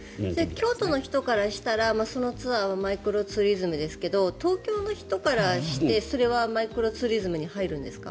京都の人からしたらそのツアーはマイクロツーリズムですけど東京の人からしてそれはマイクロツーリズムに入るんですか？